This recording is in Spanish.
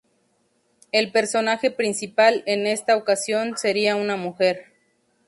El personaje principal en esta ocasión sería una mujer.